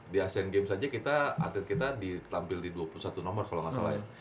di asian games aja kita artit kita ditampil di dua puluh satu nomor kalo gak salah ya